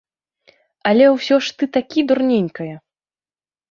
Але ўсё ж ты такі дурненькая.